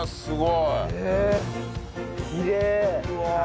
きれい。